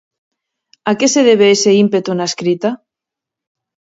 A que se debe ese ímpeto na escrita?